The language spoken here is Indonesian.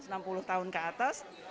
enam puluh tahun ke atas